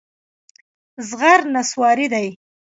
زغر نصواري دي.